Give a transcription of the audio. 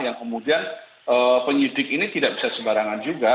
yang kemudian penyidik ini tidak bisa sembarangan juga